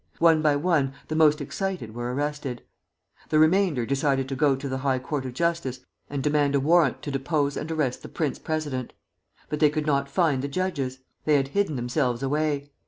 One by one the most excited were arrested. The remainder decided to go to the High Court of Justice and demand a warrant to depose and arrest the prince president. But they could not find the judges; they had hidden themselves away.